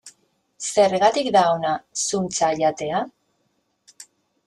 Zergatik da ona zuntza jatea?